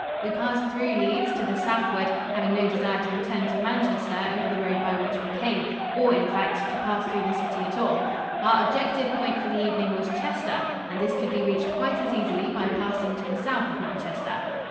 We passed through Leeds to the southward, having no desire to return to Manchester over the road by which we came, or, in fact, to pass through the city at all. Our objective point for the evening was Chester, and this could be reached quite as easily by passing to the south of Manchester.